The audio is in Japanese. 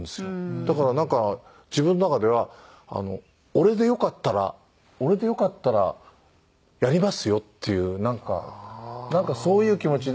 だからなんか自分の中では俺でよかったら俺でよかったらやりますよっていうなんかなんかそういう気持ち。